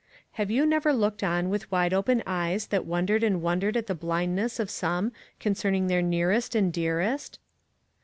Have you never looked on with wide open eyes that wondered and wondered at the blindness of some concerning their nearest and dearest?